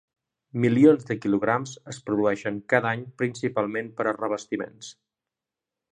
Milions de quilograms es produeixen cada any, principalment per a revestiments.